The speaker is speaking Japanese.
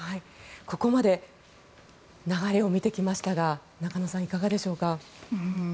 ここまで流れを見てきましたが中野さん、いかがでしょうか。